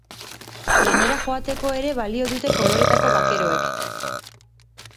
Lanera joateko ere balio dute koloretako bakeroek.